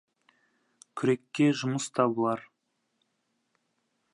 Күрекке жұмыс табылар.